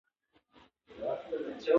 ځمکه د افغانستان د اقلیم ځانګړتیا ده.